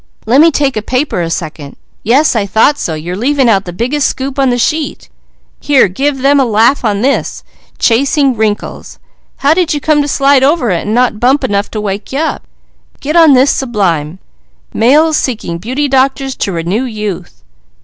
Lemme take a paper a second. Yes, I thought so! You're leaving out the biggest scoop on the sheet! Here, give them a laugh on this 'Chasing Wrinkles.' How did you come to slide over it and not bump enough to wake you up? Get on this sub line, 'Males seeking beauty doctors to renew youth.'"